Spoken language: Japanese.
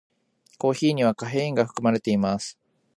コーヒーにはカフェインが含まれています。